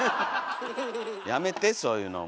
やめてそういうのもう。